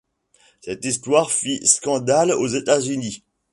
Cette histoire fit scandale aux États-Unis.